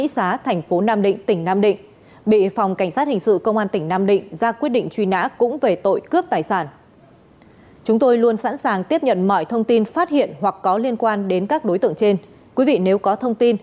xin chào và hẹn gặp lại